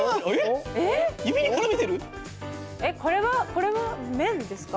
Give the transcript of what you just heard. これは麺ですか？